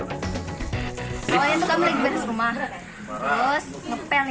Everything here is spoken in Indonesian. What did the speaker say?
soalnya itu kan mulai diberes rumah terus ngepel nih kan ngepel di ruang kampung